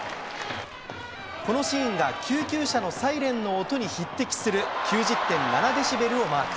このシーンが救急車のサイレンの音に匹敵する９０．７デシベルをマーク。